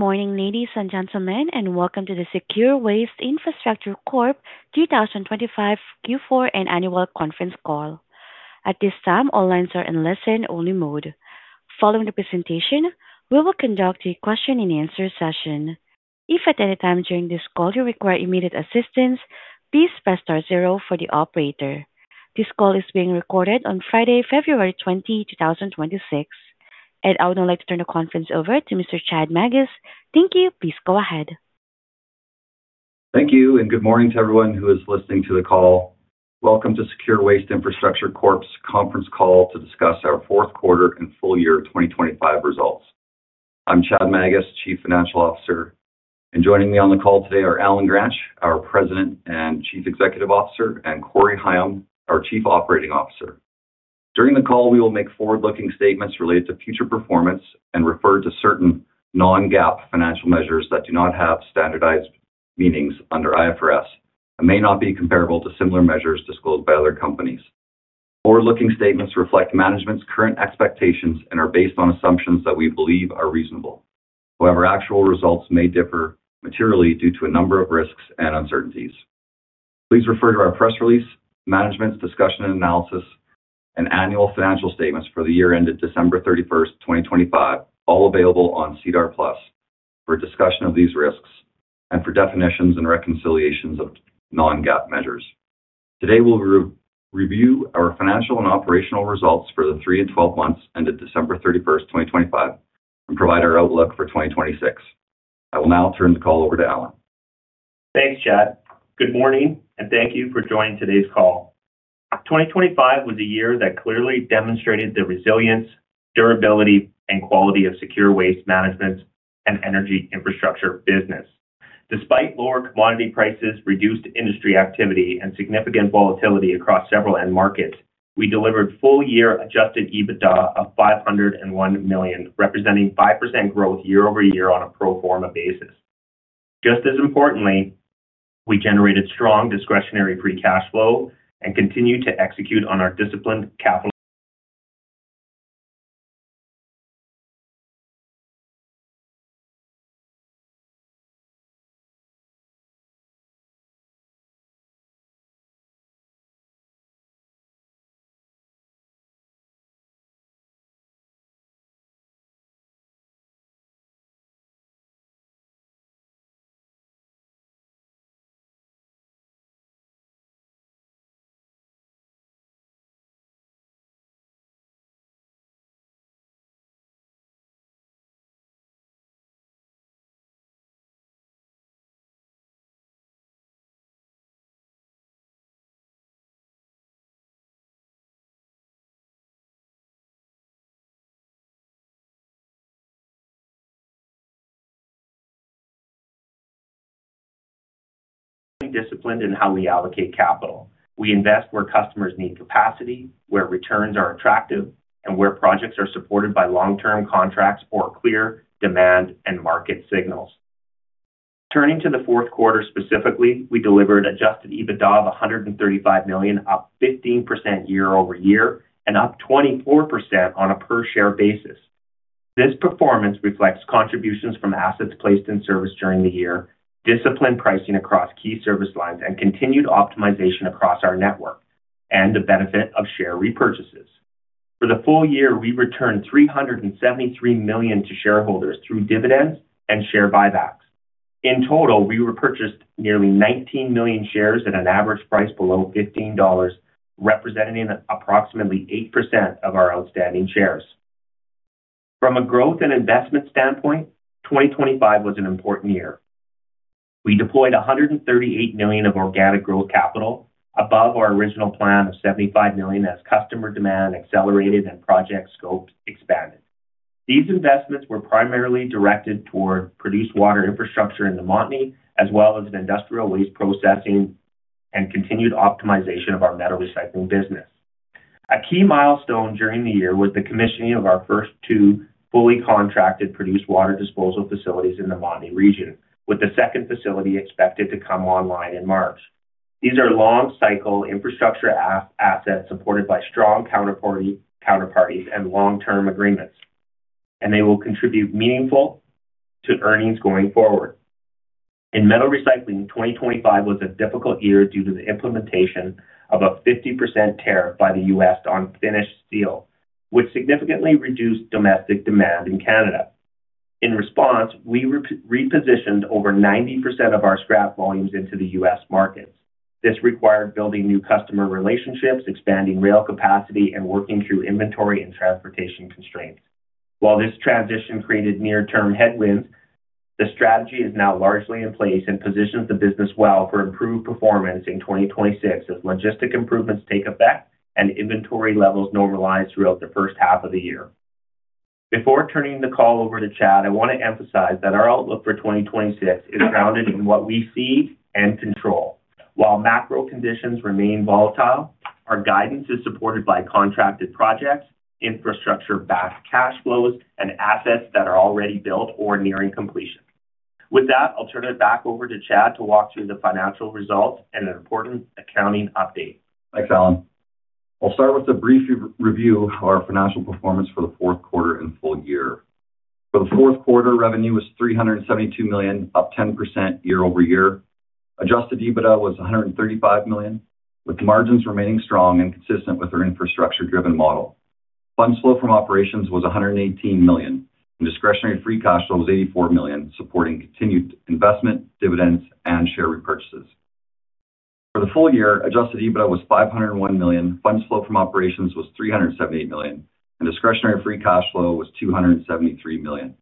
Good morning, ladies and gentlemen, and welcome to the SECURE Waste Infrastructure Corp 2025 Q4 and annual conference call. At this time, all lines are in listen-only mode. Following the presentation, we will conduct a question-and-answer session. If at any time during this call you require immediate assistance, please press star zero for the operator. This call is being recorded on Friday, February 20, 2026. I would now like to turn the conference over to Mr. Chad Magus. Thank you. Please go ahead. Thank you, and good morning to everyone who is listening to the call. Welcome to SECURE Waste Infrastructure Corp.'s conference call to discuss our fourth quarter and full year 2025 results. I'm Chad Magus, Chief Financial Officer, and joining me on the call today are Allen Gransch, our President and Chief Executive Officer, and Corey Higham, our Chief Operating Officer. During the call, we will make forward-looking statements related to future performance and refer to certain non-GAAP financial measures that do not have standardized meanings under IFRS and may not be comparable to similar measures disclosed by other companies. Forward-looking statements reflect management's current expectations and are based on assumptions that we believe are reasonable. However, actual results may differ materially due to a number of risks and uncertainties. Please refer to our press release, Management's Discussion and Analysis, and annual financial statements for the year ended December 31, 2025, all available on SEDAR+ for a discussion of these risks and for definitions and reconciliations of non-GAAP measures. Today, we'll re-review our financial and operational results for the 3 and 12 months ended December 31, 2025, and provide our outlook for 2026. I will now turn the call over to Allen. Thanks, Chad. Good morning, and thank you for joining today's call. 2025 was a year that clearly demonstrated the resilience, durability, and quality of SECURE waste management and energy infrastructure business. Despite lower commodity prices, reduced industry activity, and significant volatility across several end markets, we delivered full-year adjusted EBITDA of 501 million, representing 5% growth year-over-year on a pro forma basis. Just as importantly, we generated strong discretionary free cash flow and continued to execute on our disciplined capital- disciplined in how we allocate capital. We invest where customers need capacity, where returns are attractive, and where projects are supported by long-term contracts or clear demand and market signals. Turning to the fourth quarter specifically, we delivered adjusted EBITDA of 135 million, up 15% year-over-year and up 24% on a per-share basis. This performance reflects contributions from assets placed in service during the year, disciplined pricing across key service lines, and continued optimization across our network, and the benefit of share repurchases. For the full year, we returned CAD 373 million to shareholders through dividends and share buybacks. In total, we repurchased nearly 19 million shares at an average price below 15 dollars, representing approximately 8% of our outstanding shares. From a growth and investment standpoint, 2025 was an important year. We deployed 138 million of organic growth capital above our original plan of 75 million, as customer demand accelerated and project scopes expanded. These investments were primarily directed toward produced water infrastructure in the Montney, as well as industrial waste processing and continued optimization of our metal recycling business. A key milestone during the year was the commissioning of our first two fully contracted produced water disposal facilities in the Montney region, with the second facility expected to come online in March. These are long-cycle infrastructure assets supported by strong counterparties and long-term agreements, and they will contribute meaningful to earnings going forward. In metal recycling, 2025 was a difficult year due to the implementation of a 50% tariff by the U.S. on finished steel, which significantly reduced domestic demand in Canada. In response, we repositioned over 90% of our scrap volumes into the U.S. markets. This required building new customer relationships, expanding rail capacity, and working through inventory and transportation constraints. While this transition created near-term headwinds, the strategy is now largely in place and positions the business well for improved performance in 2026 as logistic improvements take effect and inventory levels normalize throughout the first half of the year. Before turning the call over to Chad, I want to emphasize that our outlook for 2026 is grounded in what we see and control. While macro conditions remain volatile, our guidance is supported by contracted projects, infrastructure-backed cash flows, and assets that are already built or nearing completion. With that, I'll turn it back over to Chad to walk through the financial results and an important accounting update. Thanks, Allen. I'll start with a brief re-review of our financial performance for the fourth quarter and full year. For the fourth quarter, revenue was 372 million, up 10% year-over-year. Adjusted EBITDA was 135 million, with margins remaining strong and consistent with our infrastructure-driven model. Fund flow from operations was 118 million, and discretionary free cash flow was 84 million, supporting continued investment, dividends, and share repurchases. For the full year, adjusted EBITDA was 501 million, funds flow from operations was 378 million, and discretionary free cash flow was 273 million.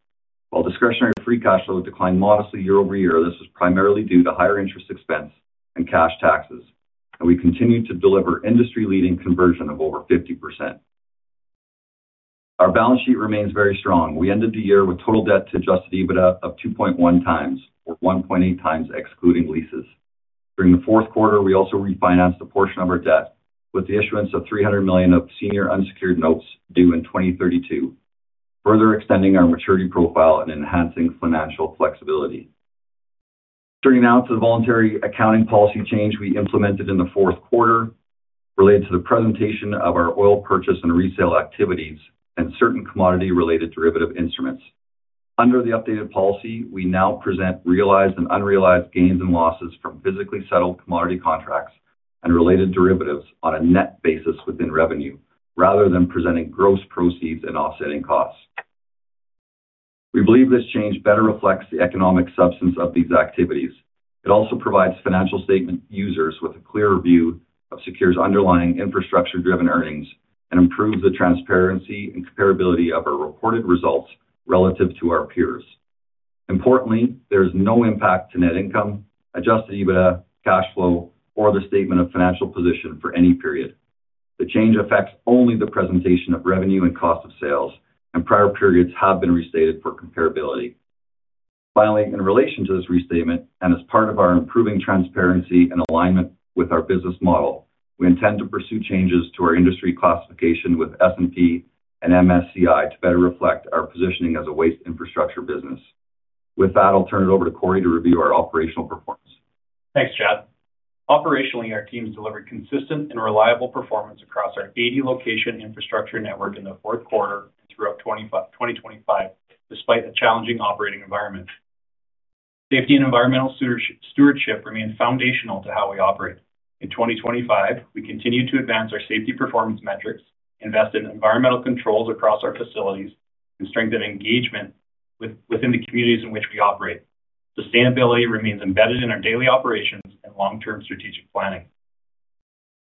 While discretionary free cash flow declined modestly year-over-year, this is primarily due to higher interest expense and cash taxes, and we continued to deliver industry-leading conversion of over 50%. Our balance sheet remains very strong. We ended the year with total debt to adjusted EBITDA of 2.1x, or 1.8x excluding leases. During the fourth quarter, we also refinanced a portion of our debt with the issuance of 300 million of senior unsecured notes due in 2032, further extending our maturity profile and enhancing financial flexibility. Turning now to the voluntary accounting policy change we implemented in the fourth quarter related to the presentation of our oil purchase and resale activities and certain commodity-related derivative instruments. Under the updated policy, we now present realized and unrealized gains and losses from physically settled commodity contracts and related derivatives on a net basis within revenue, rather than presenting gross proceeds and offsetting costs. We believe this change better reflects the economic substance of these activities. It also provides financial statement users with a clearer view of SECURE's underlying infrastructure-driven earnings and improves the transparency and comparability of our reported results relative to our peers. Importantly, there is no impact to net income, adjusted EBITDA, cash flow, or the statement of financial position for any period. The change affects only the presentation of revenue and cost of sales, and prior periods have been restated for comparability. Finally, in relation to this restatement, and as part of our improving transparency and alignment with our business model, we intend to pursue changes to our industry classification with S&P and MSCI to better reflect our positioning as a waste infrastructure business. With that, I'll turn it over to Corey to review our operational performance. Thanks, Chad. Operationally, our teams delivered consistent and reliable performance across our 80-location infrastructure network in the fourth quarter throughout 2025, despite the challenging operating environment. Safety and environmental stewardship remains foundational to how we operate. In 2025, we continued to advance our safety performance metrics, invest in environmental controls across our facilities, and strengthen engagement within the communities in which we operate. Sustainability remains embedded in our daily operations and long-term strategic planning.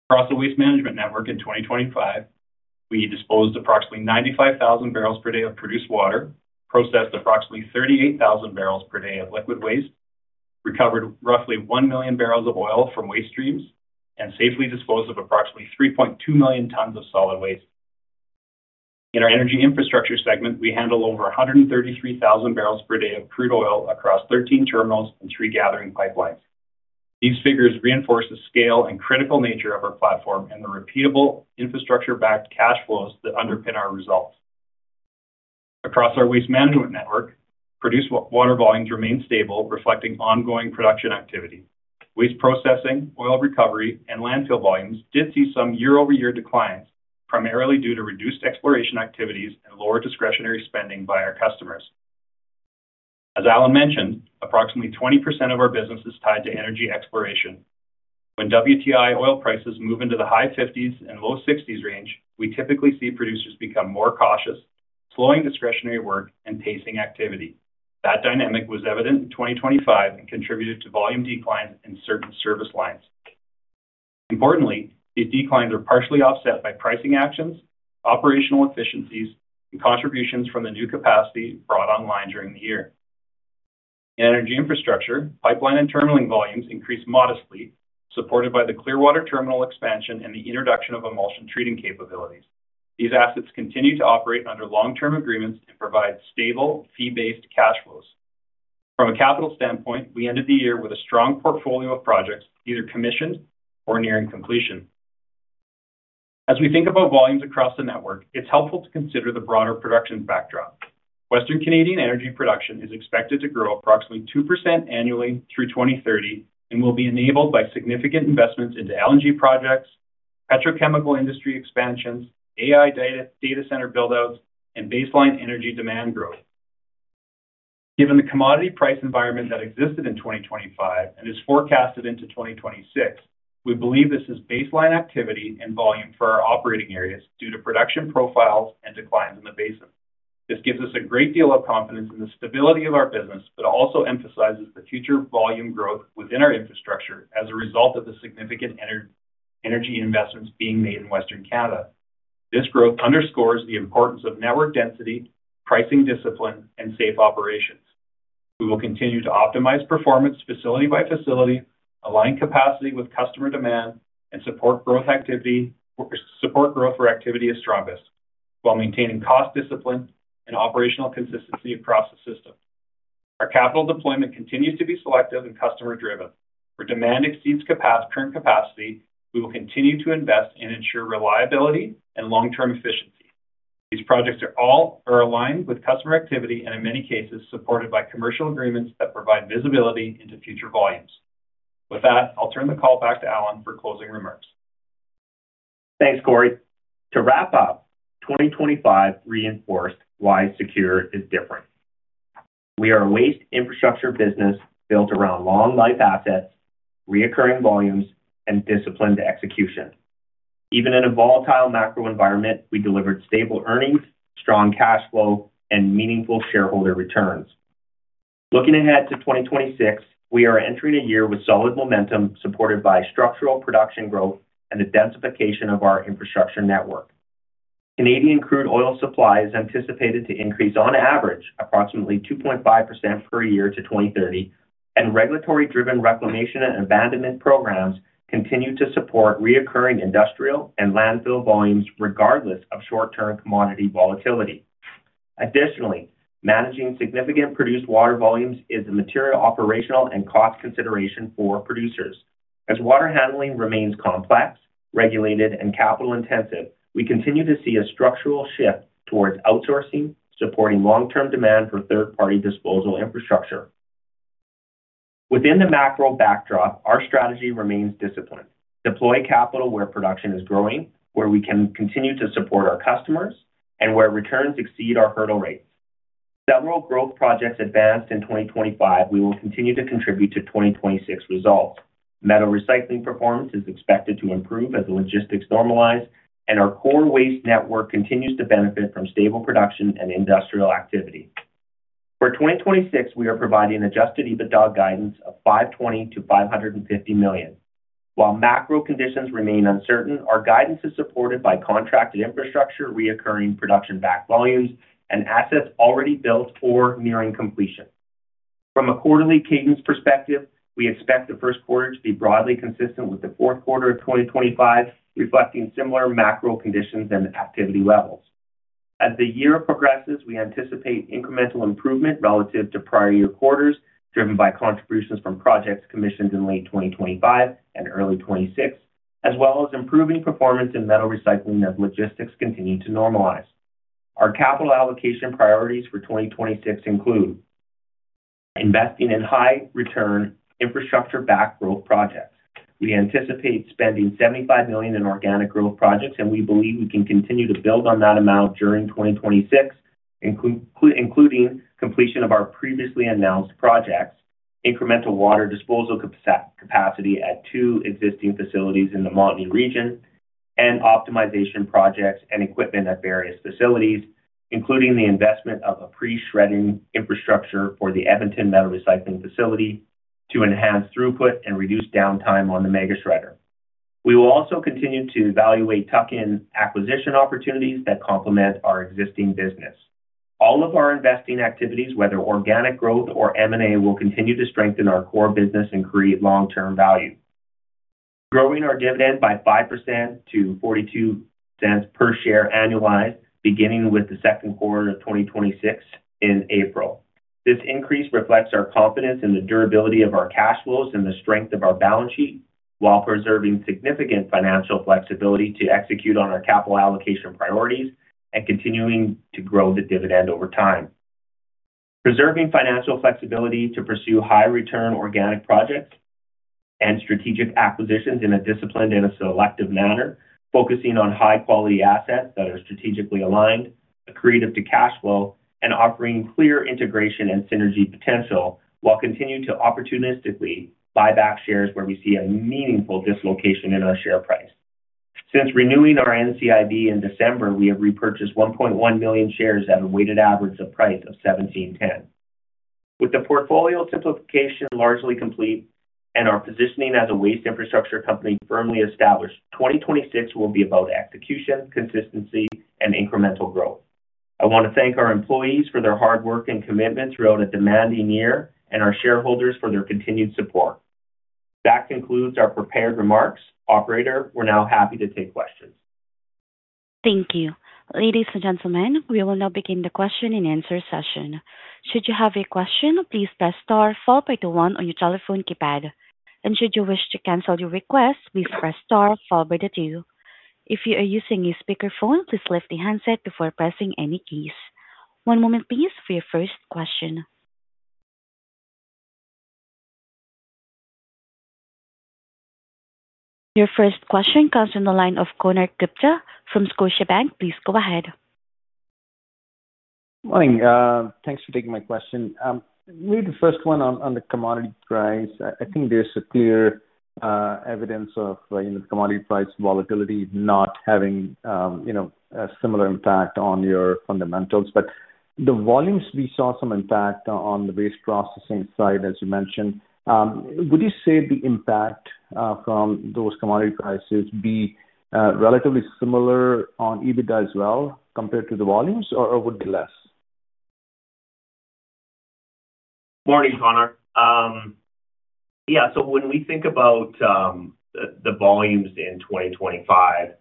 Across the waste management network in 2025, we disposed approximately 95,000 barrels per day of produced water, processed approximately 38,000 barrels per day of liquid waste, recovered roughly 1 million barrels of oil from waste streams, and safely disposed of approximately 3.2 million tons of solid waste. In our energy infrastructure segment, we handle over 133,000 barrels per day of crude oil across 13 terminals and 3 gathering pipelines. These figures reinforce the scale and critical nature of our platform and the repeatable infrastructure-backed cash flows that underpin our results. Across our waste management network, produced water volumes remain stable, reflecting ongoing production activity. Waste processing, oil recovery, and landfill volumes did see some year-over-year declines, primarily due to reduced exploration activities and lower discretionary spending by our customers. As Allen mentioned, approximately 20% of our business is tied to energy exploration. When WTI oil prices move into the high 50s and low 60s range, we typically see producers become more cautious, slowing discretionary work and pacing activity. That dynamic was evident in 2025 and contributed to volume declines in certain service lines. Importantly, these declines are partially offset by pricing actions, operational efficiencies, and contributions from the new capacity brought online during the year. In energy infrastructure, pipeline and terminal volumes increased modestly, supported by the Clearwater terminal expansion and the introduction of Emulsion Treating capabilities. These assets continue to operate under long-term agreements and provide stable, fee-based cash flows. From a capital standpoint, we ended the year with a strong portfolio of projects either commissioned or nearing completion. As we think about volumes across the network, it's helpful to consider the broader production backdrop. Western Canadian energy production is expected to grow approximately 2% annually through 2030 and will be enabled by significant investments into LNG projects, petrochemical industry expansions, AI data, data center build-outs, and baseline energy demand growth. Given the commodity price environment that existed in 2025 and is forecasted into 2026, we believe this is baseline activity and volume for our operating areas due to production profiles and declines in the basin. This gives us a great deal of confidence in the stability of our business, but also emphasizes the future volume growth within our infrastructure as a result of the significant energy investments being made in Western Canada. This growth underscores the importance of network density, pricing discipline, and safe operations. We will continue to optimize performance facility by facility, align capacity with customer demand, and support growth where activity is strongest, while maintaining cost discipline and operational consistency across the system. Our capital deployment continues to be selective and customer-driven. Where demand exceeds current capacity, we will continue to invest and ensure reliability and long-term efficiency.... These projects are all aligned with customer activity and in many cases, supported by commercial agreements that provide visibility into future volumes. With that, I'll turn the call back to Allen for closing remarks. Thanks, Corey. To wrap up, 2025 reinforced why SECURE is different. We are a waste infrastructure business built around long-life assets, recurring volumes, and disciplined execution. Even in a volatile macro environment, we delivered stable earnings, strong cash flow, and meaningful shareholder returns. Looking ahead to 2026, we are entering a year with solid momentum, supported by structural production growth and the densification of our infrastructure network. Canadian crude oil supply is anticipated to increase on average, approximately 2.5% per year to 2030, and regulatory-driven reclamation and abandonment programs continue to support recurring industrial and landfill volumes, regardless of short-term commodity volatility. Additionally, managing significant produced water volumes is a material, operational, and cost consideration for producers. As water handling remains complex, regulated, and capital intensive, we continue to see a structural shift towards outsourcing, supporting long-term demand for third-party disposal infrastructure. Within the macro backdrop, our strategy remains disciplined. Deploy capital where production is growing, where we can continue to support our customers, and where returns exceed our hurdle rates. Several growth projects advanced in 2025. We will continue to contribute to 2026 results. Metal recycling performance is expected to improve as the logistics normalize, and our core waste network continues to benefit from stable production and industrial activity. For 2026, we are providing adjusted EBITDA guidance of 520 million-550 million. While macro conditions remain uncertain, our guidance is supported by contracted infrastructure, recurring production-backed volumes, and assets already built or nearing completion. From a quarterly cadence perspective, we expect the first quarter to be broadly consistent with the fourth quarter of 2025, reflecting similar macro conditions and activity levels. As the year progresses, we anticipate incremental improvement relative to prior year quarters, driven by contributions from projects commissioned in late 2025 and early 2026, as well as improving performance in metal recycling as logistics continue to normalize. Our capital allocation priorities for 2026 include: investing in high return, infrastructure-backed growth projects. We anticipate spending 75 million in organic growth projects, and we believe we can continue to build on that amount during 2026, including completion of our previously announced projects, incremental water disposal capacity at two existing facilities in the Montney region, and optimization projects and equipment at various facilities, including the investment of a pre-shredding infrastructure for the Edmonton Metal Recycling facility to enhance throughput and reduce downtime on the mega shredder. We will also continue to evaluate tuck-in acquisition opportunities that complement our existing business. All of our investing activities, whether organic growth or M&A, will continue to strengthen our core business and create long-term value. Growing our dividend by 5% to 0.42 per share annualized, beginning with the second quarter of 2026 in April. This increase reflects our confidence in the durability of our cash flows and the strength of our balance sheet, while preserving significant financial flexibility to execute on our capital allocation priorities and continuing to grow the dividend over time. Preserving financial flexibility to pursue high return organic projects and strategic acquisitions in a disciplined and a selective manner, focusing on high quality assets that are strategically aligned, accretive to cash flow, and offering clear integration and synergy potential, while continuing to opportunistically buy back shares where we see a meaningful dislocation in our share price. Since renewing our NCIB in December, we have repurchased 1.1 million shares at a weighted average price of 17.10. With the portfolio simplification largely complete and our positioning as a waste infrastructure company firmly established, 2026 will be about execution, consistency, and incremental growth. I want to thank our employees for their hard work and commitment throughout a demanding year and our shareholders for their continued support. That concludes our prepared remarks. Operator, we're now happy to take questions. Thank you. Ladies and gentlemen, we will now begin the question-and-answer session. Should you have a question, please press star followed by the one on your telephone keypad. And should you wish to cancel your request, please press star followed by the two. If you are using a speakerphone, please lift the handset before pressing any keys. One moment please for your first question. Your first question comes from the line of Connor Lynagh from Scotiabank. Please go ahead. Morning, thanks for taking my question. Maybe the first one on the commodity price. I think there's a clear evidence of, you know, the commodity price volatility not having, you know, a similar impact on your fundamentals. But the volumes, we saw some impact on the waste processing side, as you mentioned. Would you say the impact from those commodity prices be relatively similar on EBITDA as well, compared to the volumes, or would be less? Morning, Connor. Yeah, so when we think about the volumes in 2025,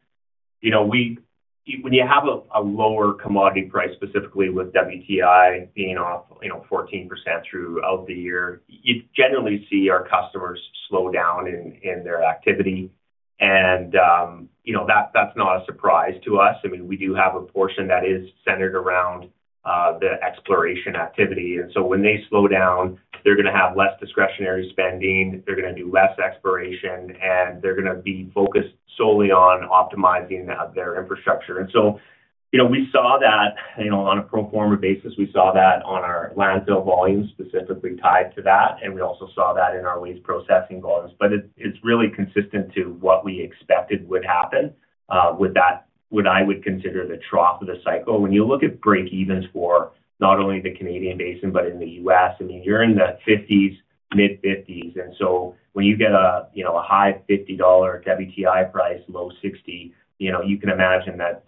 you know, when you have a lower commodity price, specifically with WTI being off 14% throughout the year, you generally see our customers slow down in their activity. You know, that's not a surprise to us. I mean, we do have a portion that is centered around the exploration activity. So when they slow down, they're gonna have less discretionary spending, they're gonna do less exploration, and they're gonna be focused solely on optimizing their infrastructure. So, you know, we saw that on a pro forma basis, we saw that on our landfill volumes, specifically tied to that, and we also saw that in our waste processing volumes. But it, it's really consistent to what we expected would happen with that, what I would consider the trough of the cycle. When you look at breakevens for not only the Canadian basin, but in the US, I mean, you're in the 50s, mid-50s. And so when you get a, you know, a high $50 WTI price, low $60, you know, you can imagine that,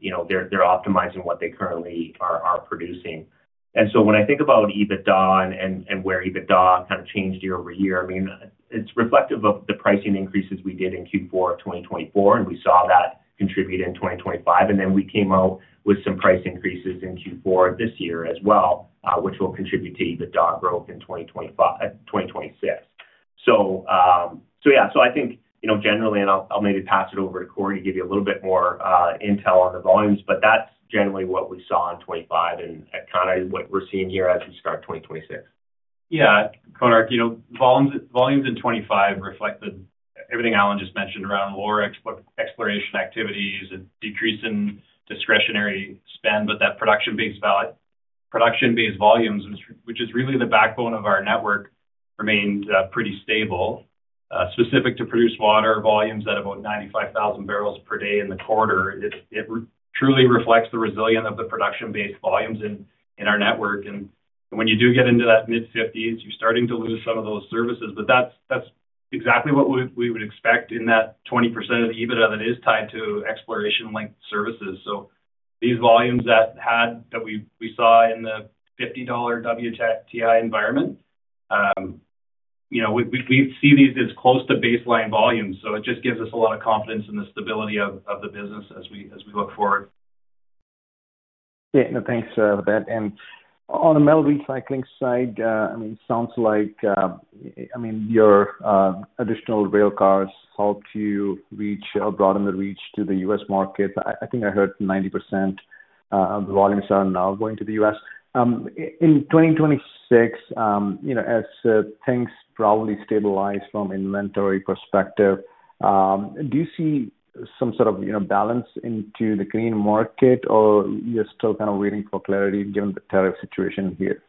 you know, they're, they're optimizing what they currently are, are producing. And so when I think about EBITDA and where EBITDA kind of changed year-over-year, I mean, it's reflective of the pricing increases we did in Q4 of 2024, and we saw that contribute in 2025. And then we came out with some price increases in Q4 this year as well, which will contribute to EBITDA growth in 2025-2026. So yeah. So I think, you know, generally, and I'll maybe pass it over to Corey to give you a little bit more intel on the volumes, but that's generally what we saw in 2025 and kind of what we're seeing here as we start 2026. Yeah, Connor, you know, volumes, volumes in 25 reflected everything Allen just mentioned around lower exploration activities and decrease in discretionary spend. But that production-based production-based volumes, which is really the backbone of our network, remained pretty stable. Specific to produced water, volumes at about 95,000 barrels per day in the quarter, it truly reflects the resilience of the production-based volumes in our network. And when you do get into that mid-50s, you're starting to lose some of those services. But that's exactly what we would expect in that 20% of the EBITDA that is tied to exploration-linked services. So these volumes that we saw in the $50 WTI environment, you know, we see these as close to baseline volumes, so it just gives us a lot of confidence in the stability of the business as we look forward. Yeah. Thanks for that. And on the metal recycling side, I mean, it sounds like, I mean, your additional rail cars helped you reach or broaden the reach to the U.S. market. I think I heard 90% of the volumes are now going to the U.S. In 2026, you know, as things probably stabilize from inventory perspective, do you see some sort of, you know, balance into the green market, or you're still kind of waiting for clarity given the tariff situation here?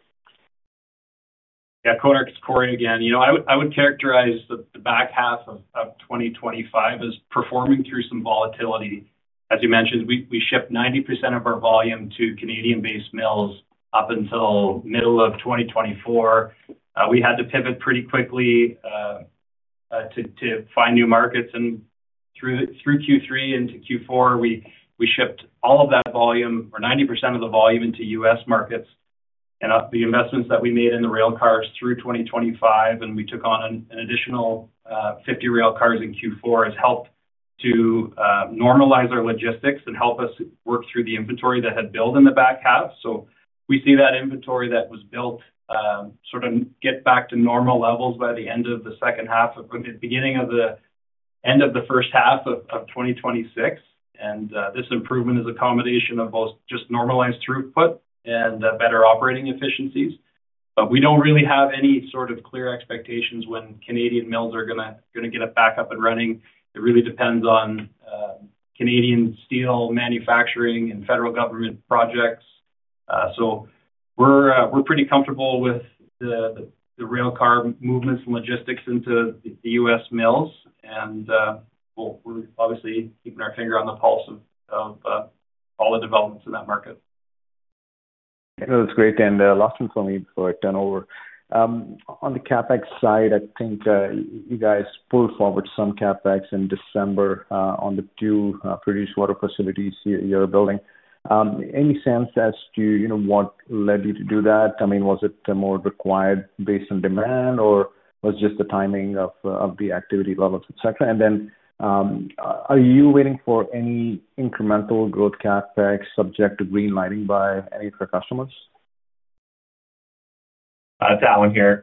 Yeah, Connor, it's Corey again. You know, I would, I would characterize the back half of 2025 as performing through some volatility. As you mentioned, we shipped 90% of our volume to Canadian-based mills up until middle of 2024. We had to pivot pretty quickly to find new markets. And through Q3 into Q4, we shipped all of that volume, or 90% of the volume, into U.S. markets. And the investments that we made in the rail cars through 2025, and we took on an additional 50 rail cars in Q4, has helped to normalize our logistics and help us work through the inventory that had built in the back half. So we see that inventory that was built sort of get back to normal levels by the end of the second half of beginning of the end of the first half of 2026. And this improvement is a combination of both just normalized throughput and better operating efficiencies. But we don't really have any sort of clear expectations when Canadian mills are gonna get it back up and running. It really depends on Canadian steel manufacturing and federal government projects. So we're pretty comfortable with the rail car movements and logistics into the U.S. mills. And we're obviously keeping our finger on the pulse of all the developments in that market. That's great. And last one for me before I turn over. On the CapEx side, I think you guys pulled forward some CapEx in December on the 2 produced water facilities you're building. Any sense as to, you know, what led you to do that? I mean, was it more required based on demand, or was just the timing of the activity levels, et cetera? And then, are you waiting for any incremental growth CapEx subject to green lighting by any of your customers? It's Allen here.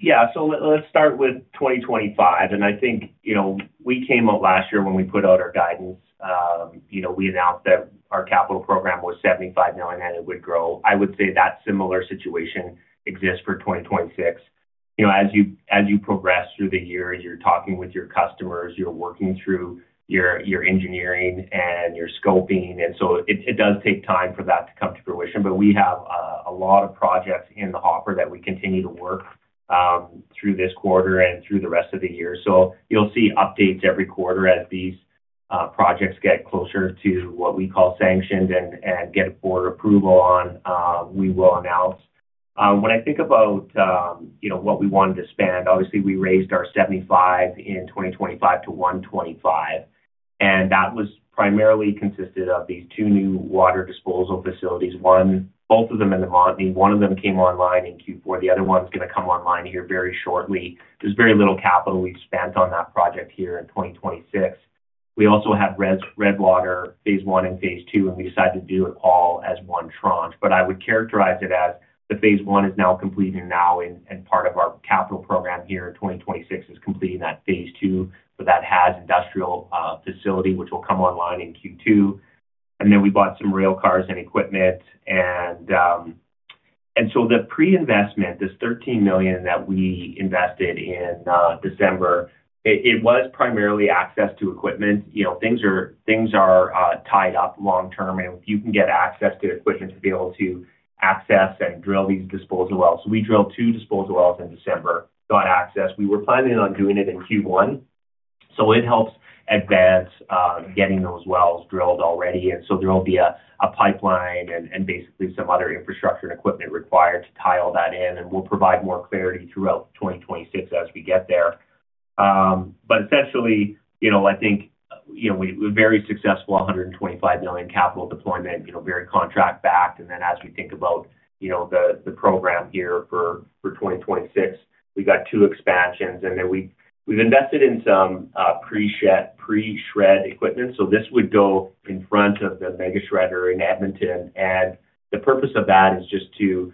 Yeah, so let's start with 2025, and I think, you know, we came out last year when we put out our guidance. You know, we announced that our capital program was 75 million, and it would grow. I would say that similar situation exists for 2026. You know, as you progress through the year, you're talking with your customers, you're working through your engineering and your scoping, and so it does take time for that to come to fruition. But we have a lot of projects in the hopper that we continue to work through this quarter and through the rest of the year. So you'll see updates every quarter as these projects get closer to what we call sanctioned and get board approval on, we will announce. When I think about, you know, what we wanted to spend, obviously, we raised our 75 in 2025 to 125, and that was primarily consisted of these two new water disposal facilities. One, both of them in the Montney. One of them came online in Q4. The other one's gonna come online here very shortly. There's very little capital we've spent on that project here in 2026. We also have Redwater, Phase I and Phase II, and we decided to do it all as one tranche. But I would characterize it as the Phase I is now completing, and part of our capital program here in 2026 is completing that Phase II. So that has industrial facility, which will come online in Q2. And then we bought some rail cars and equipment. And so the pre-investment, this CAD 13 million that we invested in, December, it was primarily access to equipment. You know, things are, things are, tied up long term, and if you can get access to equipment to be able to access and drill these disposal wells. So we drilled two disposal wells in December, got access. We were planning on doing it in Q1, so it helps advance, getting those wells drilled already. And so there will be a pipeline and basically some other infrastructure and equipment required to tie all that in, and we'll provide more clarity throughout 2026 as we get there. But essentially, you know, I think, you know, we're very successful, 125 million capital deployment, you know, very contract backed. And then as we think about, you know, the program here for 2026, we've got two expansions. And then we've invested in some pre-shred equipment. So this would go in front of the mega shredder in Edmonton. And the purpose of that is just to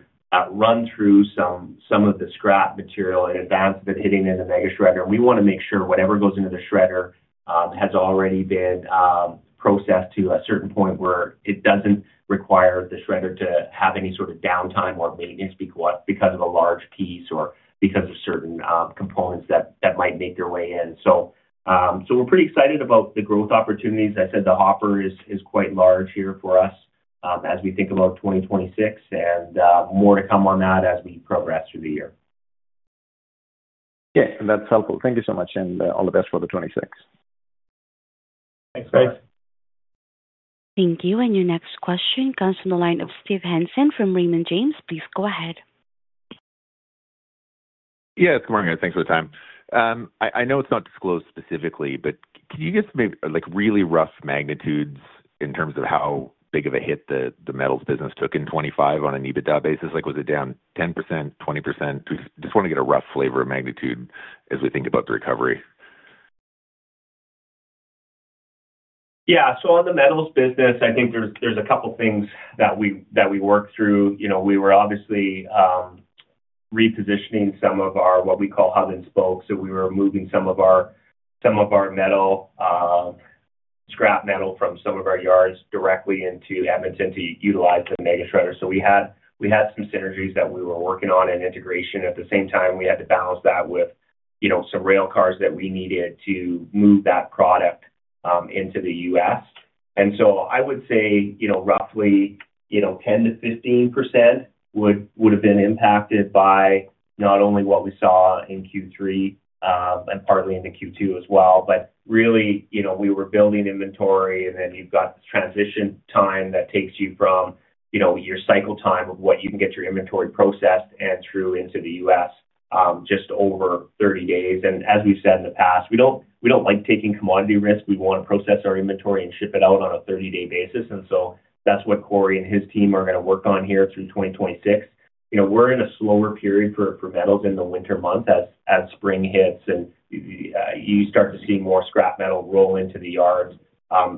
run through some of the scrap material in advance of it hitting the mega shredder. We wanna make sure whatever goes into the shredder has already been processed to a certain point where it doesn't require the shredder to have any sort of downtime or maintenance because of a large piece or because of certain components that might make their way in. So we're pretty excited about the growth opportunities. I said the hopper is quite large here for us, as we think about 2026, and more to come on that as we progress through the year. Yeah, and that's helpful. Thank you so much, and all the best for 2026. Thanks, bye. Thank you. And your next question comes from the line of Steve Hansen from Raymond James. Please go ahead. Yeah, good morning, guys. Thanks for the time. I know it's not disclosed specifically, but can you give maybe, like, really rough magnitudes in terms of how big of a hit the metals business took in 2025 on an EBITDA basis? Like, was it down 10%, 20%? Just wanna get a rough flavor of magnitude as we think about the recovery. Yeah. So on the metals business, I think there's a couple things that we worked through. You know, we were obviously repositioning some of our what we call hub and spokes. So we were moving some of our metal scrap metal from some of our yards directly into Edmonton to utilize the mega shredder. So we had some synergies that we were working on and integration. At the same time, we had to balance that with, you know, some rail cars that we needed to move that product into the U.S. And so I would say, you know, roughly 10%-15% would have been impacted by not only what we saw in Q3 and partly in the Q2 as well. But really, you know, we were building inventory, and then you've got this transition time that takes you from, you know, your cycle time of what you can get your inventory processed and through into the U.S., just over 30 days. And as we've said in the past, we don't, we don't like taking commodity risk. We wanna process our inventory and ship it out on a 30-day basis. And so that's what Corey and his team are gonna work on here through 2026. You know, we're in a slower period for metals in the winter month. As spring hits and you start to see more scrap metal roll into the yards,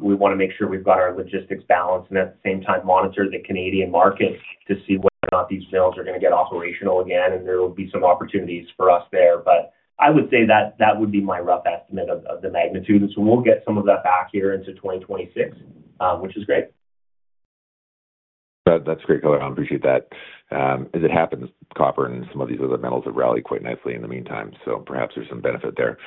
we wanna make sure we've got our logistics balanced and at the same time monitor the Canadian market to see whether or not these mills are gonna get operational again, and there will be some opportunities for us there. But I would say that that would be my rough estimate of the magnitude. And so we'll get some of that back here into 2026, which is great. That, that's a great color. I appreciate that. As it happens, copper and some of these other metals have rallied quite nicely in the meantime, so perhaps there's some benefit there.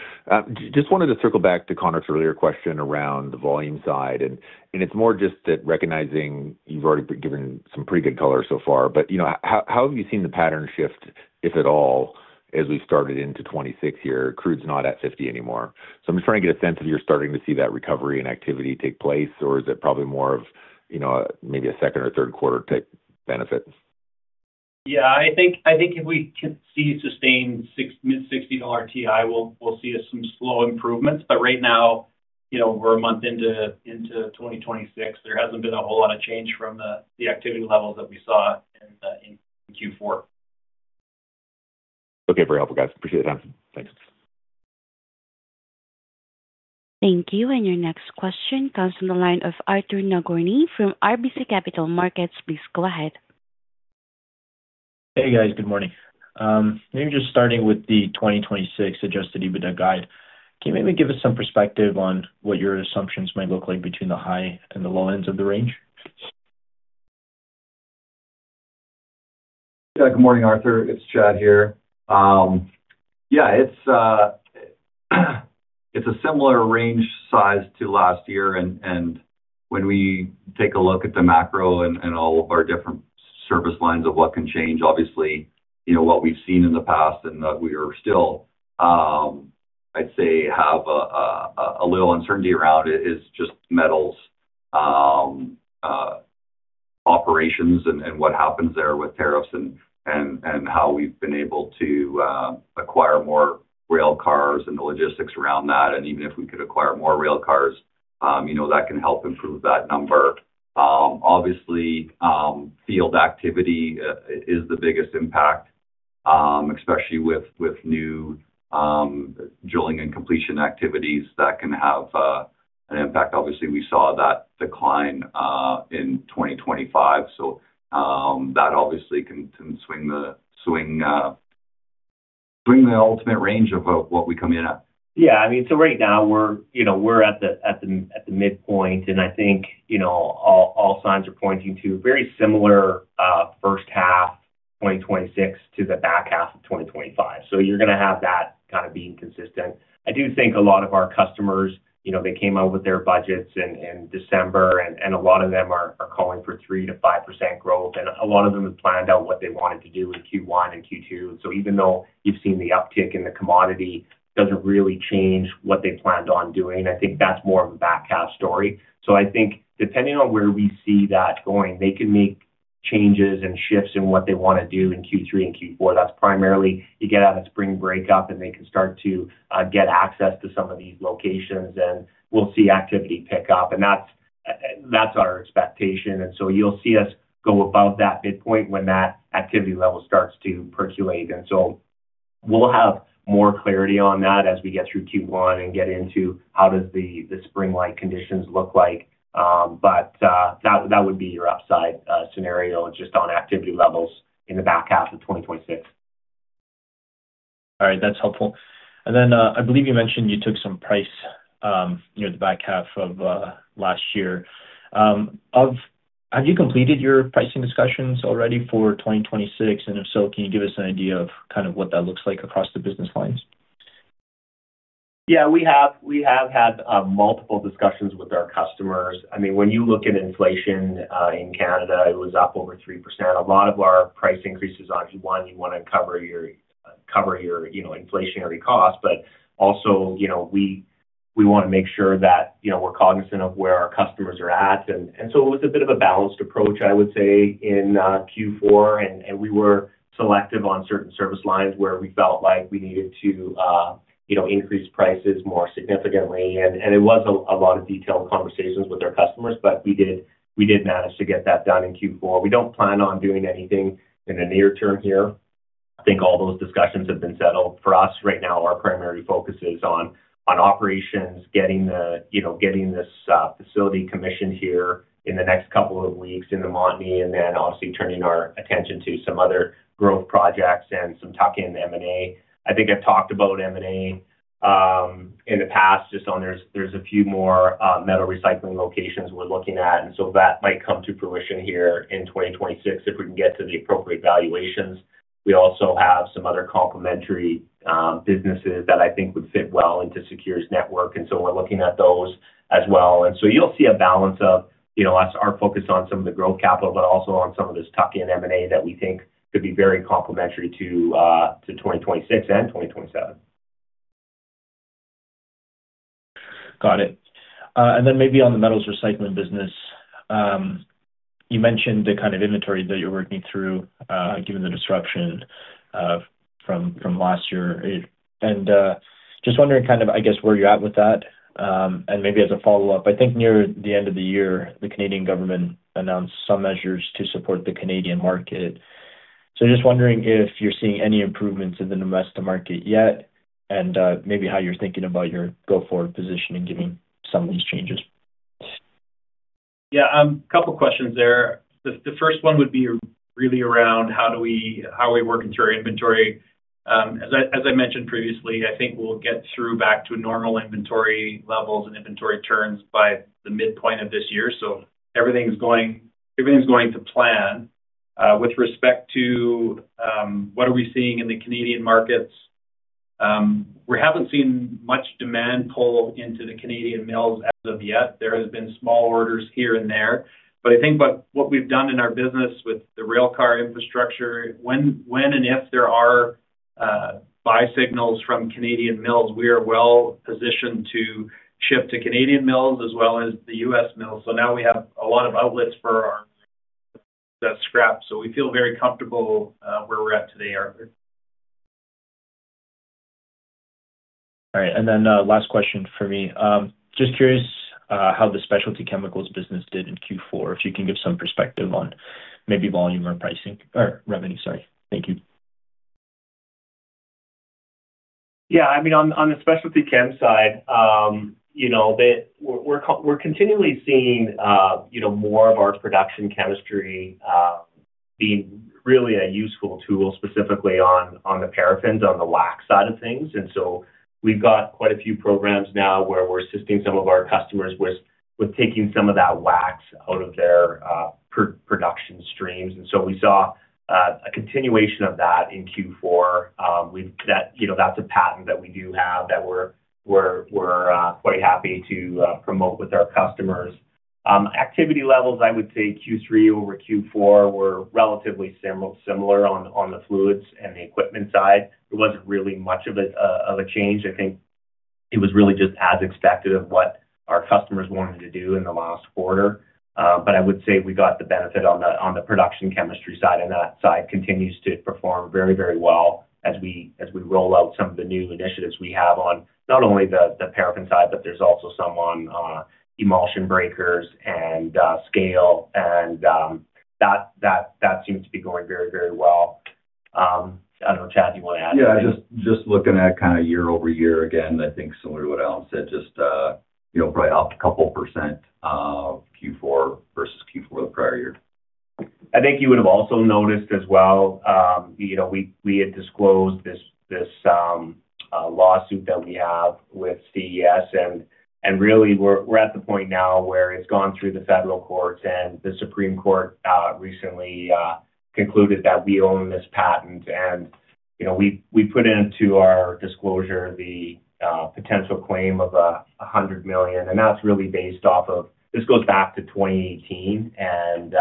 Just wanted to circle back to Connor's earlier question around the volume side, and it's more just that recognizing you've already been given some pretty good color so far. But, you know, how have you seen the pattern shift, if at all, as we started into 2026 here? Crude's not at $50 anymore. So I'm just trying to get a sense of you're starting to see that recovery and activity take place, or is it probably more of, you know, maybe a second or third quarter type benefit? Yeah, I think, I think if we can see sustained mid-$60 WTI, we'll, we'll see some slow improvements. But right now, you know, we're a month into 2026. There hasn't been a whole lot of change from the activity levels that we saw in Q4. Okay. Very helpful, guys. Appreciate the time. Thanks. Thank you. Your next question comes from the line of Arthur Nagorny from RBC Capital Markets. Please go ahead. Hey, guys. Good morning. Maybe just starting with the 2026 adjusted EBITDA guide. Can you maybe give us some perspective on what your assumptions might look like between the high and the low ends of the range? Yeah. Good morning, Arthur. It's Chad here. Yeah, it's a similar range size to last year. And when we take a look at the macro and all of our different service lines of what can change, obviously, you know, what we've seen in the past and that we are still, I'd say, have a little uncertainty around it, is just metals operations and what happens there with tariffs and how we've been able to acquire more rail cars and the logistics around that. And even if we could acquire more rail cars, you know, that can help improve that number. Obviously, field activity is the biggest impact.... especially with new drilling and completion activities, that can have an impact. Obviously, we saw that decline in 2025. So, that obviously can swing the ultimate range of what we come in at. Yeah, I mean, so right now we're, you know, we're at the midpoint, and I think, you know, all signs are pointing to very similar first half 2026 to the back half of 2025. So you're gonna have that kind of being consistent. I do think a lot of our customers, you know, they came out with their budgets in December, and a lot of them are calling for 3%-5% growth. And a lot of them have planned out what they wanted to do in Q1 and Q2. So even though you've seen the uptick in the commodity, doesn't really change what they planned on doing. I think that's more of a back half story. So I think depending on where we see that going, they can make changes and shifts in what they want to do in Q3 and Q4. That's primarily, you get out of Spring Breakup, and they can start to get access to some of these locations, and we'll see activity pick up. And that's, that's our expectation. And so you'll see us go above that midpoint when that activity level starts to percolate. And so we'll have more clarity on that as we get through Q1 and get into how does the, the springlike conditions look like. But, that, that would be your upside, scenario, just on activity levels in the back half of 2026. All right. That's helpful. And then, I believe you mentioned you took some price, near the back half of, last year. Have you completed your pricing discussions already for 2026? And if so, can you give us an idea of kind of what that looks like across the business lines? Yeah, we have. We have had multiple discussions with our customers. I mean, when you look at inflation in Canada, it was up over 3%. A lot of our price increases on Q1, you wanna cover your, you know, inflationary costs, but also, you know, we wanna make sure that, you know, we're cognizant of where our customers are at. And so it was a bit of a balanced approach, I would say, in Q4. And we were selective on certain service lines where we felt like we needed to, you know, increase prices more significantly. And it was a lot of detailed conversations with our customers, but we did manage to get that done in Q4. We don't plan on doing anything in the near term here. I think all those discussions have been settled. For us, right now, our primary focus is on operations, getting the... you know, getting this facility commissioned here in the next couple of weeks in the Montney, and then obviously turning our attention to some other growth projects and some tuck in M&A. I think I've talked about M&A in the past, just on there's a few more metal recycling locations we're looking at, and so that might come to fruition here in 2026, if we can get to the appropriate valuations. We also have some other complementary businesses that I think would fit well into SECURE's network, and so we're looking at those as well. And so you'll see a balance of, you know, us, our focus on some of the growth capital, but also on some of this tuck in M&A that we think could be very complementary to 2026 and 2027. Got it. And then maybe on the metals recycling business. You mentioned the kind of inventory that you're working through, given the disruption from last year. And just wondering kind of, I guess, where you're at with that. And maybe as a follow-up, I think near the end of the year, the Canadian government announced some measures to support the Canadian market. So just wondering if you're seeing any improvements in the investor market yet, and maybe how you're thinking about your go-forward position in giving some of these changes. Yeah, a couple questions there. The first one would be really around how are we working through our inventory. As I mentioned previously, I think we'll get through back to normal inventory levels and inventory turns by the midpoint of this year. So everything's going to plan. With respect to what are we seeing in the Canadian markets, we haven't seen much demand pull into the Canadian mills as of yet. There has been small orders here and there. But I think about what we've done in our business with the railcar infrastructure, when and if there are buy signals from Canadian mills, we are well positioned to ship to Canadian mills as well as the U.S. mills. So now we have a lot of outlets for our scrap. We feel very comfortable where we're at today. All right. And then, last question for me. Just curious, how the specialty chemicals business did in Q4, if you can give some perspective on maybe volume or pricing or revenue, sorry. Thank you. Yeah, I mean, on, on the specialty chem side, you know, that we're, we're continually seeing, you know, more of our production chemistry, being really a useful tool, specifically on, on the paraffins, on the wax side of things. And so we've got quite a few programs now where we're assisting some of our customers with, with taking some of that wax out of their, production streams. And so we saw a continuation of that in Q4. That, you know, that's a patent that we do have, that we're quite happy to promote with our customers. Activity levels, I would say Q3 over Q4 were relatively similar, similar on, on the fluids and the equipment side. It wasn't really much of a change. I think it was really just as expected of what our customers wanted to do in the last quarter. But I would say we got the benefit on the production chemistry side, and that side continues to perform very, very well as we roll out some of the new initiatives we have on not only the paraffin side, but there's also some on emulsion breakers and scale, and that seems to be going very, very well. I don't know, Chad, do you want to add? Yeah, just, just looking at kind of year-over-year, again, I think similar to what Allen said, just, you know, probably up a couple %, Q4 versus Q4 the prior year. I think you would have also noticed as well, you know, we had disclosed this lawsuit that we have with CES, and really, we're at the point now where it's gone through the federal courts, and the Supreme Court recently concluded that we own this patent. And, you know, we put into our disclosure the potential claim of 100 million, and that's really based off of... This goes back to 2018, and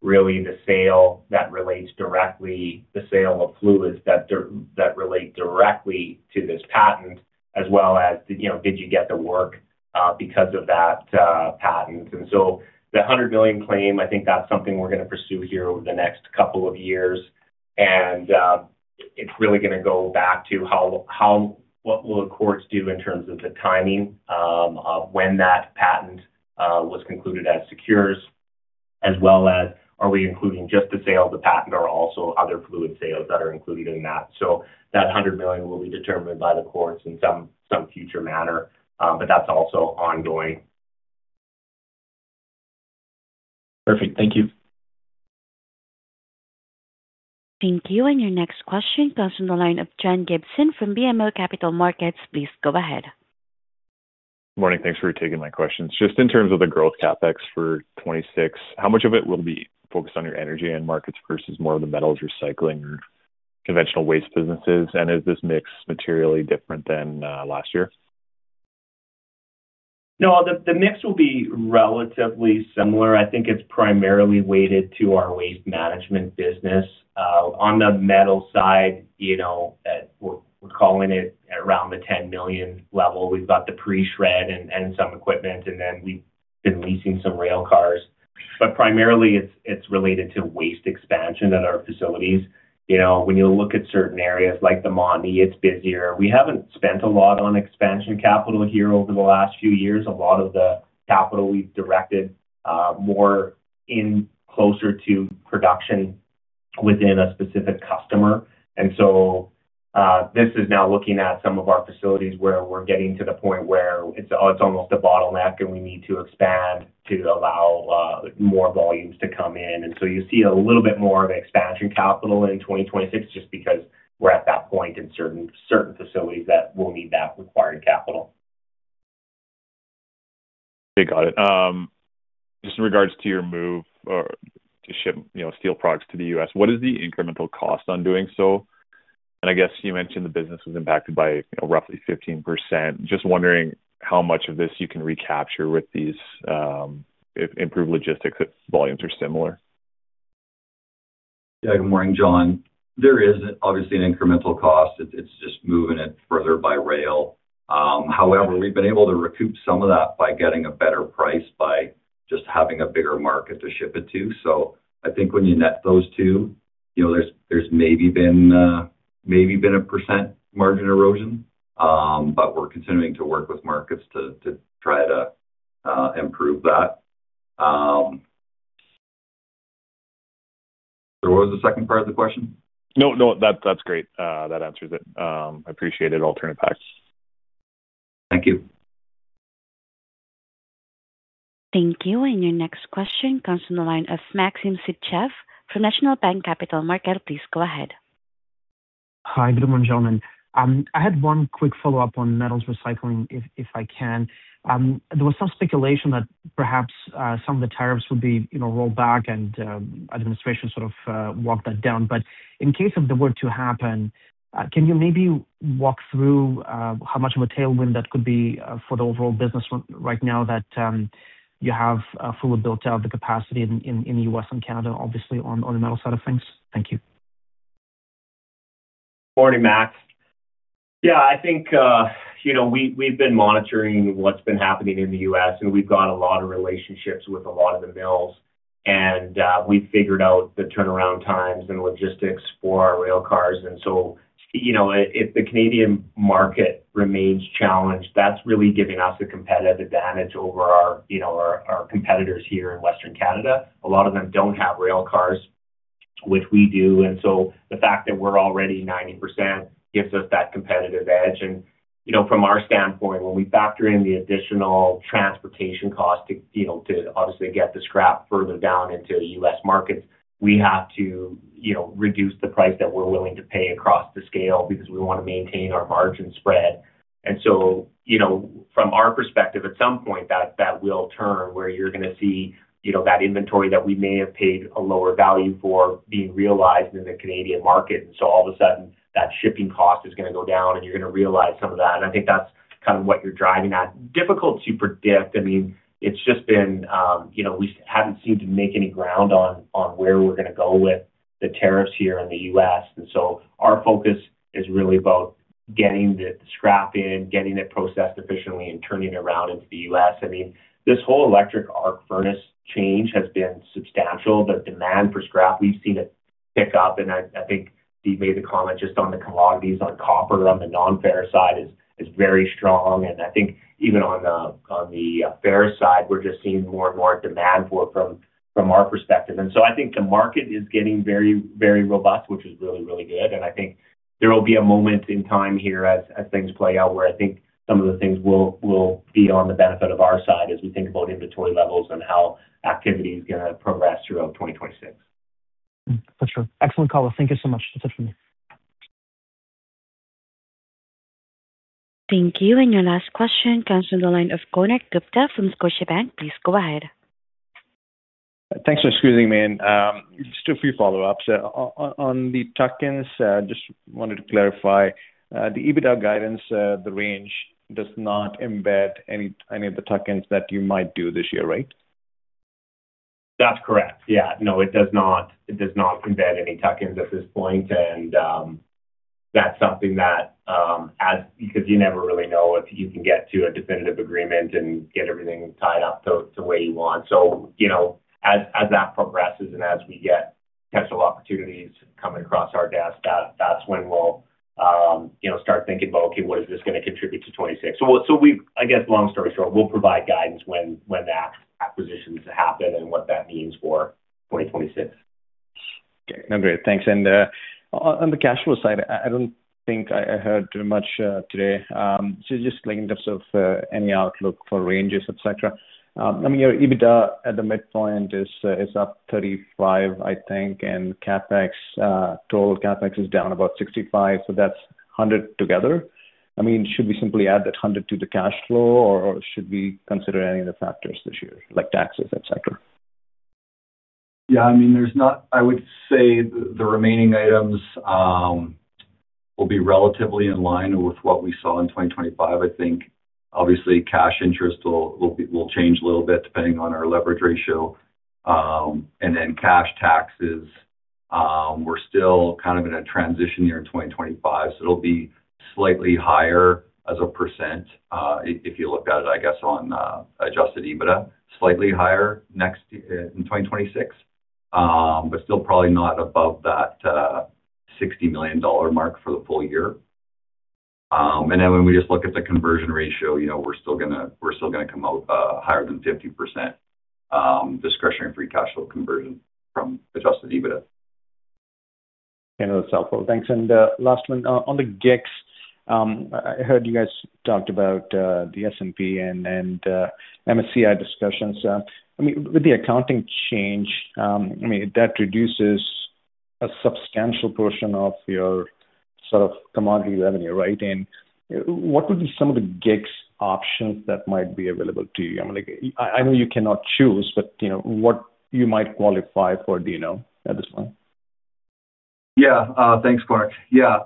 really the sale that relates directly, the sale of fluids that relate directly to this patent, as well as, you know, did you get the work because of that patent? And so the 100 million claim, I think that's something we're gonna pursue here over the next couple of years. It's really gonna go back to how what will the courts do in terms of the timing of when that patent was concluded as SECURE's, as well as are we including just the sale of the patent or also other fluid sales that are included in that? So that 100 million will be determined by the courts in some future manner, but that's also ongoing. Perfect. Thank you. Thank you. Your next question comes from the line of John Gibson from BMO Capital Markets. Please go ahead. Morning. Thanks for taking my questions. Just in terms of the growth CapEx for 2026, how much of it will be focused on your energy end markets versus more of the metals recycling or conventional waste businesses? And is this mix materially different than last year? No, the mix will be relatively similar. I think it's primarily weighted to our waste management business. On the metal side, you know, we're calling it around the 10 million level. We've got the pre-shred and some equipment, and then we've been leasing some rail cars. But primarily, it's related to waste expansion at our facilities. You know, when you look at certain areas like the Montney, it's busier. We haven't spent a lot on expansion capital here over the last few years. A lot of the capital we've directed more in closer to production within a specific customer. And so, this is now looking at some of our facilities, where we're getting to the point where it's almost a bottleneck, and we need to expand to allow more volumes to come in. You see a little bit more of expansion capital in 2026, just because we're at that point in certain facilities that will need that required capital. Okay, got it. Just in regards to your move to ship, you know, steel products to the US, what is the incremental cost on doing so? And I guess you mentioned the business was impacted by, you know, roughly 15%. Just wondering how much of this you can recapture with these, if improved logistics, if volumes are similar. Yeah. Good morning, John. There is obviously an incremental cost. It's just moving it further by rail. However, we've been able to recoup some of that by getting a better price, by just having a bigger market to ship it to. So I think when you net those two, you know, there's maybe been a % margin erosion, but we're continuing to work with markets to try to improve that. So what was the second part of the question? No, no, that's, that's great. That answers it. I appreciate it. All the best. Thank you. Thank you. Your next question comes from the line of Maxim Sytchev from National Bank Financial Markets. Please go ahead. Hi, good morning, gentlemen. I had one quick follow-up on metals recycling, if I can. There was some speculation that perhaps some of the tariffs would be, you know, rolled back and administration sort of walked that down. But in case they were to happen, can you maybe walk through how much of a tailwind that could be for the overall business right now that you have fully built out the capacity in the U.S. and Canada, obviously, on the metal side of things? Thank you. Morning, Max. Yeah, I think, you know, we, we've been monitoring what's been happening in the U.S., and we've got a lot of relationships with a lot of the mills, and we've figured out the turnaround times and logistics for our rail cars. And so, you know, if the Canadian market remains challenged, that's really giving us a competitive advantage over our, you know, our, our competitors here in Western Canada. A lot of them don't have rail cars, which we do, and so the fact that we're already 90% gives us that competitive edge. And, you know, from our standpoint, when we factor in the additional transportation cost to, you know, to obviously get the scrap further down into the U.S. markets, we have to, you know, reduce the price that we're willing to pay across the scale because we want to maintain our margin spread. And so, you know, from our perspective, at some point, that will turn where you're gonna see, you know, that inventory that we may have paid a lower value for being realized in the Canadian market. And so all of a sudden, that shipping cost is gonna go down, and you're gonna realize some of that. And I think that's kind of what you're driving at. Difficult to predict. I mean, it's just been, you know, we haven't seemed to make any ground on where we're gonna go with the tariffs here in the U.S. And so our focus is really about getting the scrap in, getting it processed efficiently, and turning it around into the U.S. I mean, this whole Electric Arc Furnace change has been substantial. The demand for scrap, we've seen it pick up, and I think Steve made the comment just on the commodities, on copper, on the non-ferrous side is very strong. And I think even on the ferrous side, we're just seeing more and more demand for it from our perspective. And so I think the market is getting very, very robust, which is really, really good. And I think there will be a moment in time here as things play out, where I think some of the things will be on the benefit of our side as we think about inventory levels and how activity is going to progress throughout 2026. That's true. Excellent call. Thank you so much. That's it for me. Thank you. Your last question comes from the line of Konark Gupta from Scotiabank. Please go ahead. Thanks for squeezing me in. Just a few follow-ups. On the tuck-ins, just wanted to clarify, the EBITDA guidance, the range does not embed any, any of the tuck-ins that you might do this year, right? That's correct. Yeah. No, it does not. It does not embed any tuck-ins at this point. And that's something that, as because you never really know if you can get to a definitive agreement and get everything tied up the way you want. So, you know, as that progresses and as we get potential opportunities coming across our desk, that's when we'll, you know, start thinking about, okay, what is this gonna contribute to 2026? So, so we've... I guess long story short, we'll provide guidance when the acquisitions happen and what that means for 2026. Okay, great. Thanks. And on the cash flow side, I don't think I heard too much today. So just in terms of any outlook for ranges, et cetera. I mean, your EBITDA at the midpoint is up 35, I think, and CapEx, total CapEx is down about 65, so that's 100 together. I mean, should we simply add that 100 to the cash flow, or should we consider any of the factors this year, like taxes, et cetera? Yeah, I mean, there's not. I would say the remaining items will be relatively in line with what we saw in 2025. I think obviously, cash interest will be will change a little bit depending on our leverage ratio. And then cash taxes, we're still kind of in a transition year in 2025, so it'll be slightly higher as a percentage, if you look at it, I guess, on adjusted EBITDA. Slightly higher next year, in 2026, but still probably not above that 60 million dollar mark for the full year. And then when we just look at the conversion ratio, you know, we're still gonna come out higher than 50%, discretionary free cash flow conversion from adjusted EBITDA. Yeah, that's helpful. Thanks. And last one, on the GICS, I heard you guys talked about the S&P and MSCI discussions. I mean, with the accounting change, I mean, that reduces a substantial portion of your sort of commodity revenue, right? And what would be some of the GICS options that might be available to you? I mean, like, I know you cannot choose, but you know, what you might qualify for, do you know at this point? Yeah. Thanks, Konark. Yeah,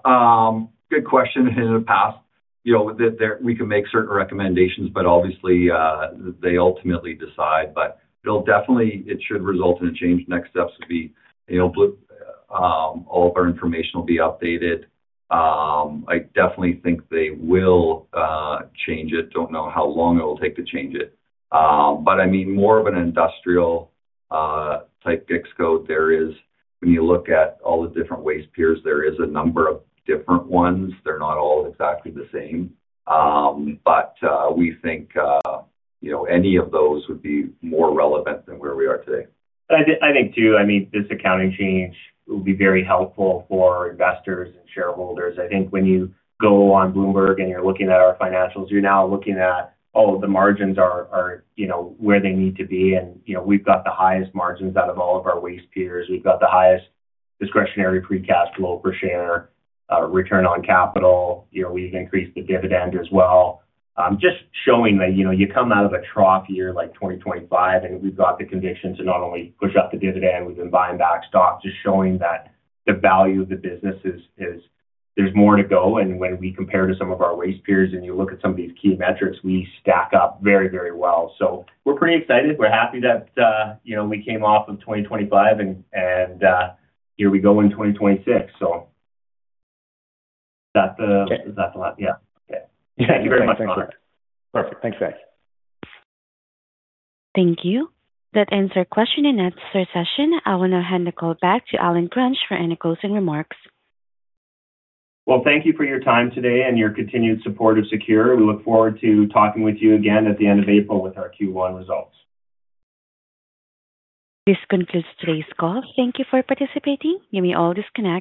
good question. In the past, you know, there, we can make certain recommendations, but obviously, they ultimately decide. But it'll definitely, it should result in a change. Next steps would be, you know, all of our information will be updated. I definitely think they will change it. Don't know how long it will take to change it. But I mean, more of an industrial type GICS code there is when you look at all the different waste peers, there is a number of different ones. They're not all exactly the same. But we think, you know, any of those would be more relevant than where we are today. I think too, I mean, this accounting change will be very helpful for investors and shareholders. I think when you go on Bloomberg and you're looking at our financials, you're now looking at, oh, the margins are, you know, where they need to be. And, you know, we've got the highest margins out of all of our waste peers. We've got the highest discretionary free cash flow per share, return on capital. You know, we've increased the dividend as well. Just showing that, you know, you come out of a trough year like 2025, and we've got the conviction to not only push up the dividend, we've been buying back stock, just showing that the value of the business is, there's more to go. When we compare to some of our waste peers, and you look at some of these key metrics, we stack up very, very well. So we're pretty excited. We're happy that, you know, we came off of 2025 and here we go in 2026. So that- Okay. That's a lot. Yeah. Okay. Thank you very much. Thanks. Perfect. Thanks, guys. Thank you. That ends our question-and-answer session. I want to hand the call back to Allen Gransch for any closing remarks. Well, thank you for your time today and your continued support of SECURE. We look forward to talking with you again at the end of April with our Q1 results. This concludes today's call. Thank you for participating. You may all disconnect.